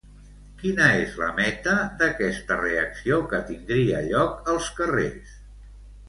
Quina és la meta d'aquesta reacció que tindria lloc als carrers?